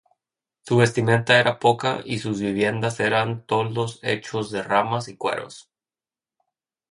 Su vestimenta era poca y sus viviendas eran toldos hechos de ramas y cueros.